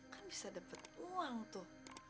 kan bisa dapat uang tuh